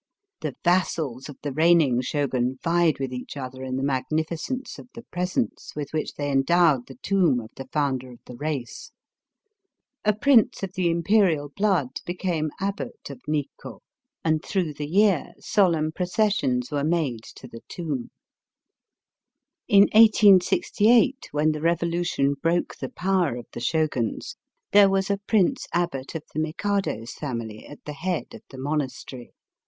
The vassals of the reigning Shogun vied with each other in the magnificence of the presents with which they endowed the tomb of the founder of the race. A prince of the Imperial blood became Abbot of Nikko, and through Digitized by VjOOQIC THE TOMBS OF THE SHOGUNS. 257 the year solemn processions were made to the tomb. In 1868, when the revolution broke the power of the Shoguns, there was a Prince Abbot of the Mikado's family at the head of the monastery.